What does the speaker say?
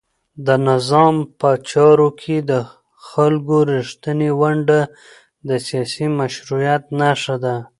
د نظام په چارو کې د خلکو رښتینې ونډه د سیاسي مشروعیت نښه ده.